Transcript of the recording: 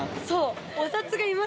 そう。